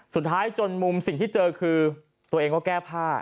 จนมุมสิ่งที่เจอคือตัวเองก็แก้ผ้า